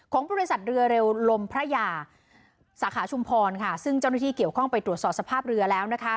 บริษัทเรือเร็วลมพระยาสาขาชุมพรค่ะซึ่งเจ้าหน้าที่เกี่ยวข้องไปตรวจสอบสภาพเรือแล้วนะคะ